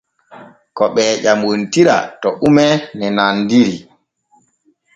Ko ɓee ƴamontira to ume ne nandiri.